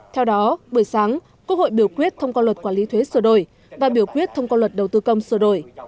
theo đó buổi sáng quốc hội biểu quyết thông qua luật quản lý thuế sửa đổi và biểu quyết thông qua luật đầu tư công sửa đổi